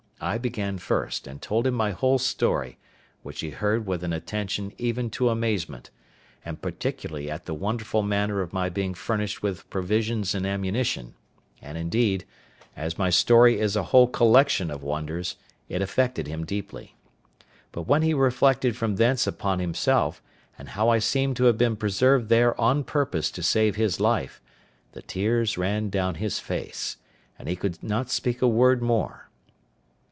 I began first, and told him my whole history, which he heard with an attention even to amazement—and particularly at the wonderful manner of my being furnished with provisions and ammunition; and, indeed, as my story is a whole collection of wonders, it affected him deeply. But when he reflected from thence upon himself, and how I seemed to have been preserved there on purpose to save his life, the tears ran down his face, and he could not speak a word more.